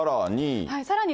さらに。